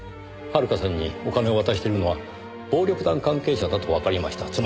遥さんにお金を渡してるのは暴力団関係者だとわかりました。